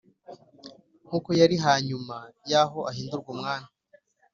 Nkuko yari hanyuma yaho ahindurwa umwami